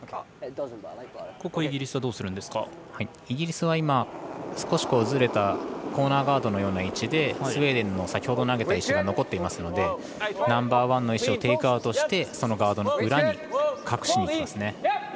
イギリスは今、少しずれたコーナーガードのような位置でスウェーデンの先ほど投げた石が残っていますのでナンバーワンの石をテイクアウトしてガードの裏に隠しにいきますね。